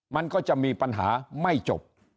มันก็จะมีปัญหาไม่จบ